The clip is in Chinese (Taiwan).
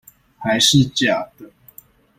還是假的